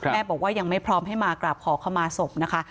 บอกว่ายังไม่พร้อมให้มากราบขอขมาศพนะคะ